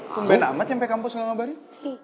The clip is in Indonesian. lo ben amat sampai kampus gak ngabarin